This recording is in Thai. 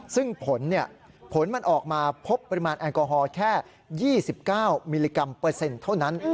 ซึ่งผลมันออกมาพบปริมาณแอลกอฮอล์แค่๒๙มิลลิกรัมเปอร์เซ็นต์เท่านั้น